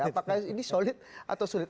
apakah ini solid atau sulit